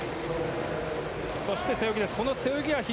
そして背泳ぎです。